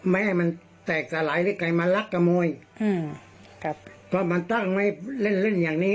ไม่ให้มันแตกสลายหรือใครมาลักขโมยอืมครับก็มันตั้งไว้เล่นเล่นอย่างนี้